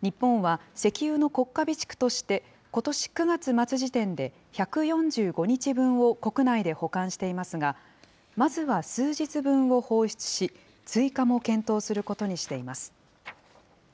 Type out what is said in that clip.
日本は石油の国家備蓄として、ことし９月末時点で１４５日分を国内で保管していますが、まずは数日分を放出し、追加も検討することにしています。